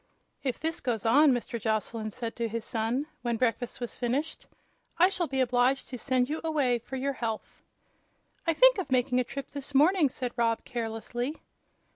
"If this goes on," Mr Joslyn said to his son, when breakfast was finished, "I shall be obliged to send you away for your health." "I think of making a trip this morning," said Rob, carelessly.